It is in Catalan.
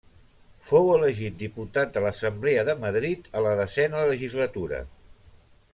Fou elegit diputat de l'Assemblea de Madrid a la desena legislatura.